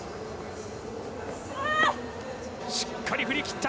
しっかり振り切った。